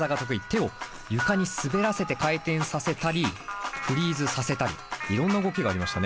手を床に滑らせて回転させたりフリーズさせたりいろんな動きがありましたね。